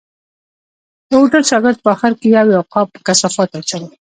د هوټل شاګرد په آخر کې یو یو قاب په کثافاتو اچاوه.